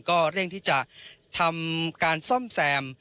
ก็เร่งที่จะทำการซ่อมแซม